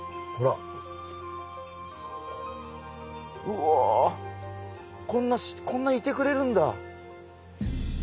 うわこんないてくれるんだ。